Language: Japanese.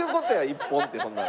「一本」ってほんなら。